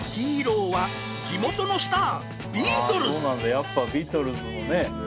やっぱりビートルズのね。